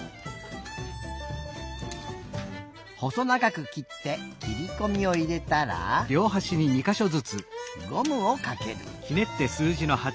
細ながくきってきりこみをいれたらゴムをかける。